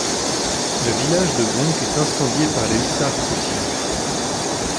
Le village de Voncq est incendié par les hussards prussiens.